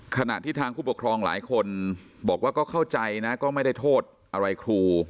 ขณะที่ทางผู้ปกครองหลายคนบอกว่าก็เข้าใจนะก็ไม่ได้โทษอะไรครู